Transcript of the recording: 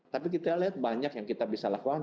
tapi kita lihat banyak yang kita bisa lakukan